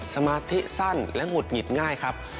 สมาธิสั้นและหงุดหงิดง่ายครับ